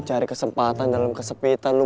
cari kesempatan dalam kesepitan